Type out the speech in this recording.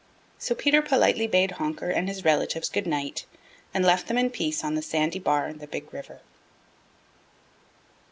So Peter politely bade Honker and his relatives good night and left them in peace on the sandy bar in the Big River.